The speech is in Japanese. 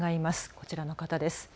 こちらの方です。